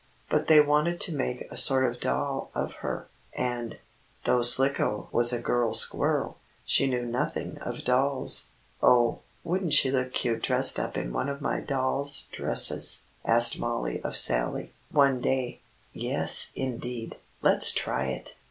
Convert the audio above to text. But they wanted to make a sort of doll of her, and, though Slicko was a girl squirrel, she knew nothing of dolls. "Oh, wouldn't she look cute dressed up in one of my dolls' dresses?" asked Mollie of Sallie, one day. "Yes, indeed! Let's try it!"